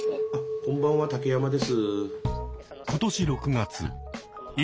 こんばんは竹山です。